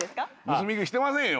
盗み食いしてませんよ。